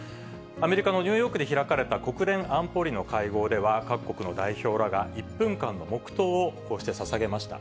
アメリカのニューヨークで開かれた国連安保理の会合では、各国の代表らが１分間の黙とうをこうしてささげました。